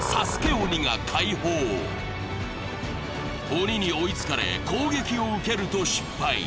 鬼が解放鬼に追いつかれ、攻撃を受けると失敗。